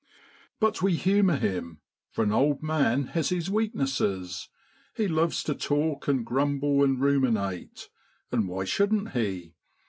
But we humour him, for an old man has his weaknesses; he loves to JUNE IN BROADLAND. 63 talk, and grumble, and ruminate. And why shouldn't he